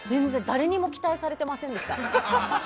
誰にも期待されていませんでした。